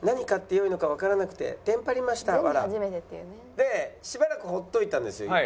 でしばらくほっといたんですよ。